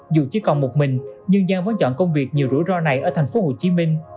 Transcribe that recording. dù chỉ còn một mình nhưng giang vẫn chọn công việc nhiều rủi ro này ở thành phố hồ chí minh